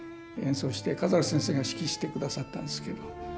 演奏してカザルス先生が指揮してくださったんですけど。